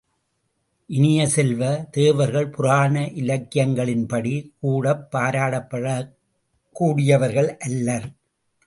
இனிய செல்வ, தேவர்கள் புராண இலக்கியங்களின்படி கூடப் பாராட்டப்படக் கூடியவர்கள் அல்லர்.